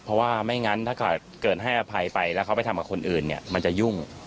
เพราะว่าไม่งั้นถ้าเกิดให้อภัยไปแล้วเขาไปทำกับคนอื่นเนี่ยมันจะยุ่ง